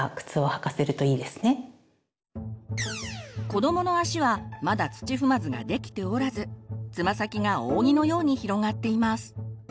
子どもの足はまだ土踏まずができておらずつま先が扇のように広がっています。